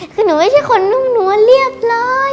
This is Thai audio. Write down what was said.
คือหนูไม่ใช่คนนุ่มนัวเรียบร้อย